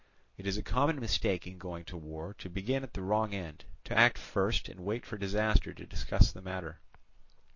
It is a common mistake in going to war to begin at the wrong end, to act first, and wait for disaster to discuss the matter.